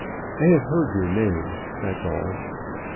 "I have heard your name that's all."